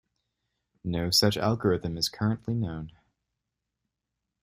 No such algorithm is currently known.